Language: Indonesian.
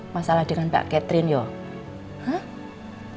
masalah dengan pak catherine yuk